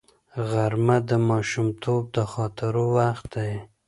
غرمه د ماشومتوب د خاطرو وخت دی